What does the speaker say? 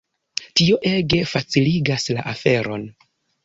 Tio ege faciligas la aferon.